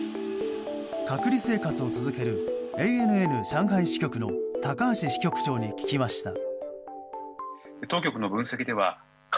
隔離生活を続けるＡＮＮ上海支局の高橋支局長に聞きました。